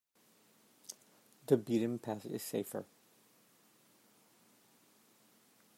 The beaten path is safest.